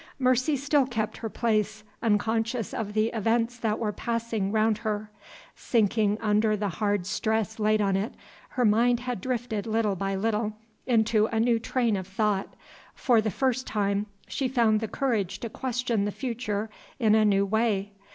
Mercy still kept her place, unconscious of the events that were passing round her. Sinking under the hard stress laid on it, her mind had drifted little by little into a new train of thought. For the first time she found the courage to question the future in a new way.